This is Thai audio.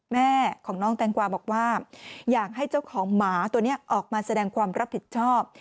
แม่ของน้องแตงกวาบอกว่าอยากให้เจ้าของหมาตัวนี้ออกมาแสดงความรับผิดชอบ